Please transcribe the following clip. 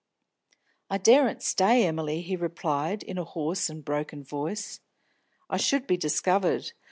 "I daren't stay, Emily," he replied, in a hoarse and broken voice. "I should be discovered.